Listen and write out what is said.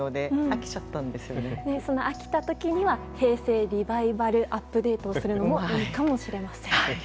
飽きた時には平成リバイバルアップデートをするのもいいかもしれません。